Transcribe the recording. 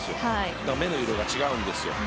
だから目の色が違うんですよ。